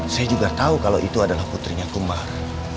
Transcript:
saya juga tahu kalau itu adalah putrinya kembar